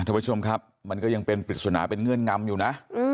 ท่านผู้ชมครับมันก็ยังเป็นปริศนาเป็นเงื่อนงำอยู่นะ